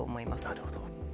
なるほど。